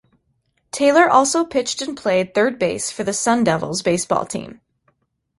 Taylor also pitched and played third base for the Sun Devils baseball team.